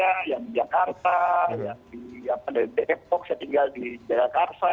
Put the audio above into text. yang di jakarta yang di epoch yang tinggal di jakarta